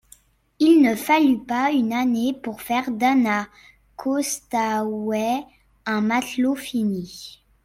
Il ne fallut pas une année pour faire d'Anna Costaouët un matelot fini.